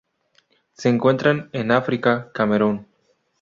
Se encuentran en África: Camerún.